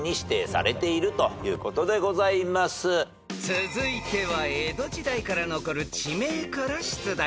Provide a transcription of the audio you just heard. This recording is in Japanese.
［続いては江戸時代から残る地名から出題］